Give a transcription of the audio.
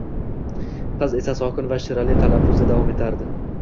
Qiz esa sokin va shirali talaffuzda davom etardi